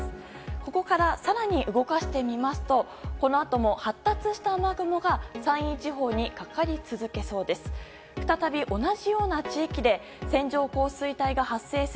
ここから更に動かしてみますとこのあとも発達した雨雲が山陰地方にかかり続けそうです。